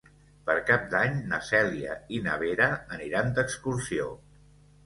Per Cap d'Any na Cèlia i na Vera aniran d'excursió.